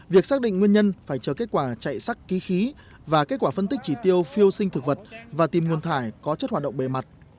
việc xác định nguyên nhân phải chờ kết quả chạy sắc ký khí và kết quả phân tích chỉ tiêu phiêu sinh thực vật và tìm nguồn thải có chất hoạt động bề mặt